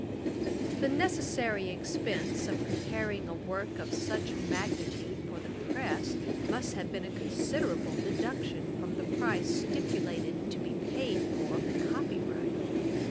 The necessary expense of preparing a work of such magnitude for the press, must have been a considerable deduction from the price stipulated to be paid for the copy right.